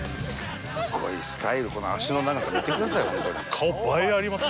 すごいスタイルこの足の長さ見てくださいよ本当に。